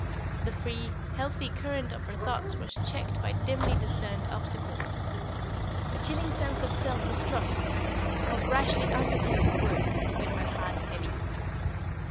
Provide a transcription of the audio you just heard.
The free, healthy current of her thoughts was checked by dimly discerned obstacles. A chilling sense of self distrust, of rashly undertaken work, made her heart heavy.